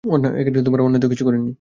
অন্যায় তো কিছু করেননি।